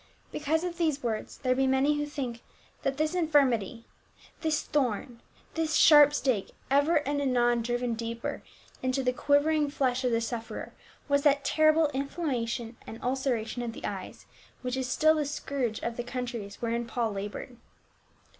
"* Because of these words there be many who think that this infirmity, this "thorn" — this "sharp stake," ever and anon driven deeper into the quivering flesh of the sufferer, was that terrible inflammation and ulcer ation of the eyes, which is still the scourge of the coun tries wherein Paul labored.